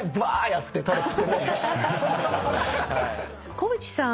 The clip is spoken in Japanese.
小渕さん